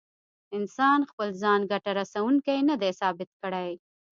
انسان خپل ځان ګټه رسوونکی نه دی ثابت کړی.